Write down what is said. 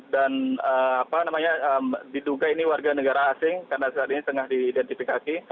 dan diduga ini warga negara asing karena saat ini tengah diidentifikasi